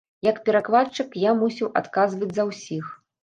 Як перакладчык, я мусіў адказваць за ўсіх.